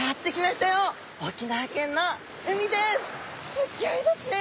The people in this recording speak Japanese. すっギョいですね！